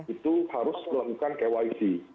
itu harus melakukan kyc